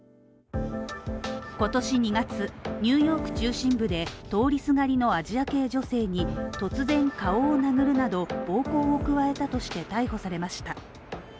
今年２月、ニューヨーク中心部で通りすがりのアジア系女性に突然顔を殴るなど、暴行を加えたとして逮捕されました。